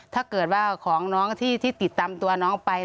ถ้าเกิดว่าของน้องที่ติดตามตัวน้องไป